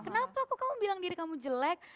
kenapa kok kamu bilang diri kamu jelek